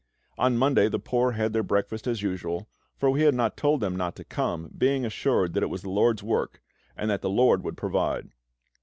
On Monday the poor had their breakfast as usual, for we had not told them not to come, being assured that it was the LORD'S work, and that the LORD would provide.